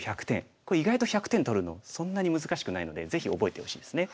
これ意外と１００点取るのそんなに難しくないのでぜひ覚えてほしいですね。